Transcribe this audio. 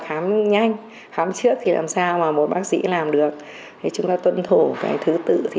khám nhanh khám trước thì làm sao mà một bác sĩ làm được thì chúng ta tuân thủ cái thứ tự